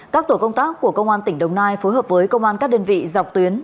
các tổ công tác của công an tỉnh đồng nai phối hợp với công an các đơn vị dọc tuyến